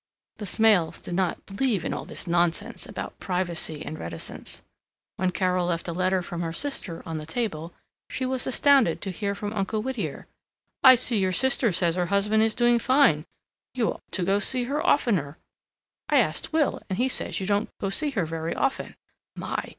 The Smails did not "believe in all this nonsense" about privacy and reticence. When Carol left a letter from her sister on the table, she was astounded to hear from Uncle Whittier, "I see your sister says her husband is doing fine. You ought to go see her oftener. I asked Will and he says you don't go see her very often. My!